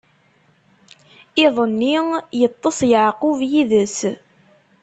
Iḍ-nni, iṭṭeṣ Yeɛqub yid-s.